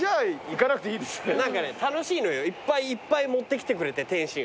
何かね楽しいのよいっぱいいっぱい持ってきてくれて点心。